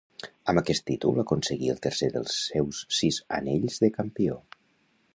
Amb aquest títol aconseguí el tercer dels seus sis anells de campió.